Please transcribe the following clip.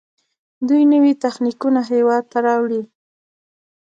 دوی نوي تخنیکونه هیواد ته راوړي.